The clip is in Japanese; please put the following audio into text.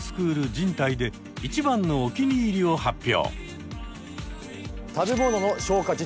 人体で一番のお気に入りを発表！